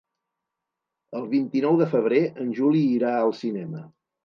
El vint-i-nou de febrer en Juli irà al cinema.